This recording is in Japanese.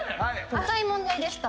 浅い問題でした。